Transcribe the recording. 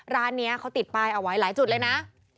ร้านนี้เขาติดป้ายเอาไว้หลายจุดเลยนะ